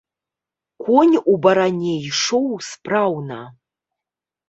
Конь у баране ішоў спраўна.